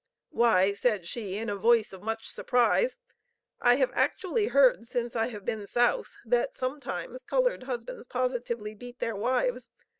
"Why," said she in a voice of much surprise, "I have actually heard since I have been South that sometimes colored husbands positively beat their wives!